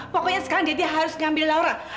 pokoknya sekarang jadi harus ngambil laura